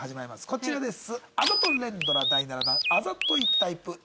こちらです。